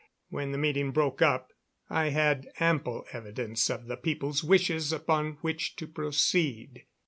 When the meeting broke up I had ample evidence of the people's wishes upon which to proceed.